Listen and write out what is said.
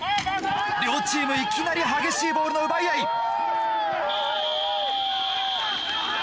両チームいきなり激しいボールの奪い合い。